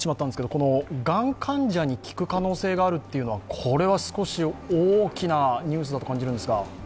このがん患者にきく可能性があるというのはこれは少し大きなニュースだと感じるんですが。